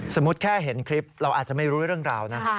แค่เห็นคลิปเราอาจจะไม่รู้เรื่องราวนะ